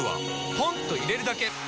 ポンと入れるだけ！